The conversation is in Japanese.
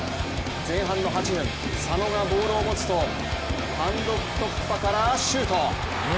前半の８分、佐野がボールを持つと単独突破からシュート。